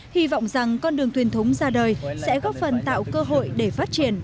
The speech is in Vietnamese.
hy vọng rằng con đường thiền thống ra đời sẽ góp phần tạo cơ hội để phát triển